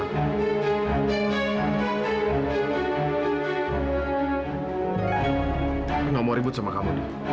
aku gak mau ribut sama kamu ndi